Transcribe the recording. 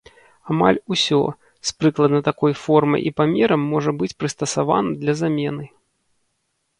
Амаль усё, з прыкладна такой формай і памерам можа быць прыстасавана для замены.